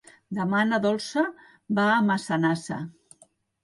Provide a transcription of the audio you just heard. Demà na Dolça va a Massanassa.